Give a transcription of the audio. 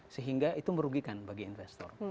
sehingga itu merugikan bagi investor